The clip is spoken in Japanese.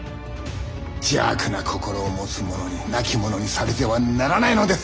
邪悪な心を持つ者に亡き者にされてはならないのです！